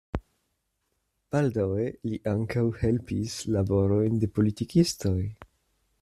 Baldaŭe li ankaŭ helpis laborojn de politikistoj.